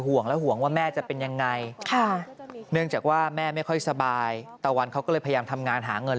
ว่าแม่ไม่ค่อยสบายตะวันเขาก็เลยพยายามทำงานหาเงิน